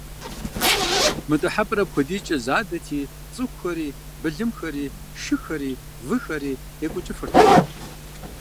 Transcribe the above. Мы дыхьэпӏэр апхуэдизкӏэ задэти, цӏыхухэри, былымхэри, шыхэри, выхэри екӏуэкӏыфыртэкъым.